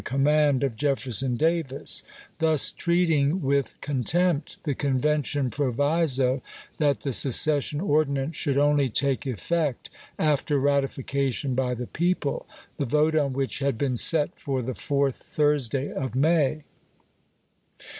i° Doc command of Jefferson Davis — thus treating with "^Isif' contempt the convention proviso that the secession ordinance should only take effect after ratification by the people, the vote on which had been set for the fourth Thursday of May.